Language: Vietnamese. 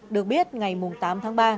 được biết ngày tám tháng ba